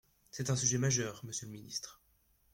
C’est un sujet majeur, monsieur le ministre.